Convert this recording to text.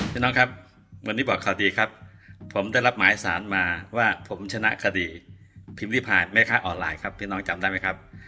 พี่น้องครับวันนี้บอกข่าวดีครับผมได้รับหมายสารมาว่าผมชนะคดีพิมพิพายแม่ค้าออนไลน์ครับพี่น้องจำได้ไหมครับ